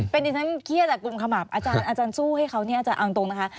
เป็นดิฉันเครียดแต่กลุ่มขมับอาจารย์สู้ให้เขาเนี่ยอาจารย์เอาตรงนะคะ